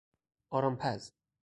آرامپز